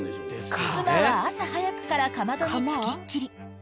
妻は朝早くからかまどに付きっきり。